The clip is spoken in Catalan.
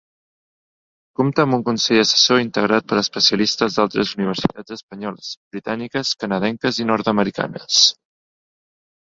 Compta amb un consell assessor integrat per especialistes d'altres universitats espanyoles, britàniques, canadenques i nord-americanes.